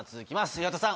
岩田さん